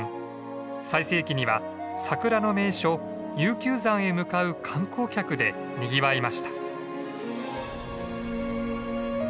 最盛期には桜の名所悠久山へ向かう観光客でにぎわいました。